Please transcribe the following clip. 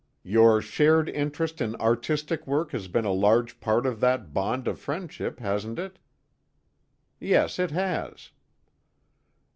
"Your shared interest in artistic work has been a large part of that bond of friendship, hasn't it?" "Yes, it has."